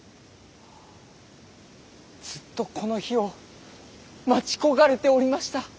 ずっとこの日を待ち焦がれておりました。